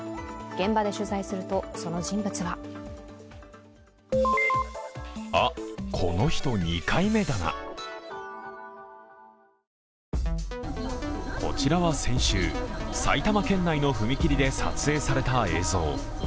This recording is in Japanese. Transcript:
現場で取材すると、その人物はこちらは先週、埼玉県内の踏切で撮影された映像。